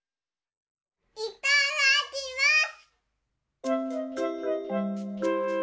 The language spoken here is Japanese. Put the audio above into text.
いただきます！